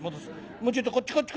もうちょっとこっちこっち